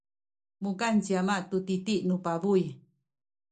mukan ci ama tu titi nu pabuy.